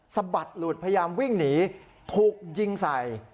สะบัดหลุดพยายามวิ่งหนีถูกยิงใส่